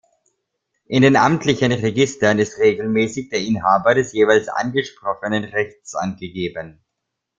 In den amtlichen Registern ist regelmäßig der Inhaber des jeweils angesprochenen Rechts angegeben.